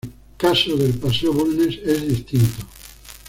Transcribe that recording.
El caso del Paseo Bulnes es distinto.